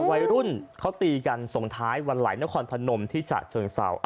วัยรุ่นเขาตีกันส่งท้ายวันไหลนครพนมที่ฉะเชิงเศร้า